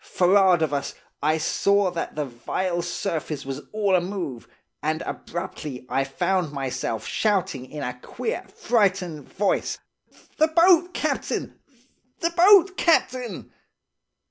Forrard of us, I saw that the vile surface was all amove, and abruptly I found myself shouting in a queer, frightened voice, 'The boat, captain! The boat, captain!